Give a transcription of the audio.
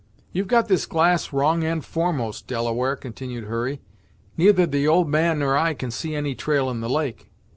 "You've got this glass wrong end foremost, Delaware," continued Hurry. "Neither the old man nor I can see any trail in the lake."